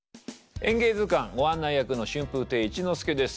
「演芸図鑑」ご案内役の春風亭一之輔です。